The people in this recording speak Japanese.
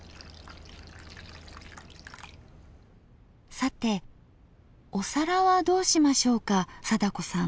さてお皿はどうしましょうか貞子さん。